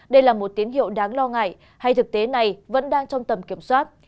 đây là một tín hiệu đáng lo ngại hay thực tế này vẫn đang trong tầm kiểm soát